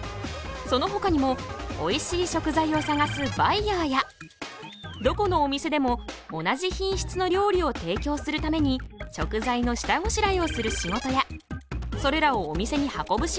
そのほかにもおいしい食材を探すバイヤーやどこのお店でも同じ品質の料理を提供するために食材の下ごしらえをする仕事やそれらをお店に運ぶ仕事。